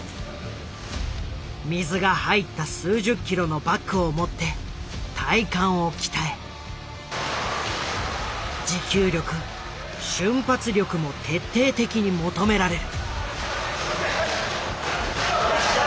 水が入った数十キロのバッグを持って体幹を鍛え持久力瞬発力も徹底的に求められる。